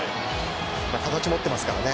形、持っていますからね。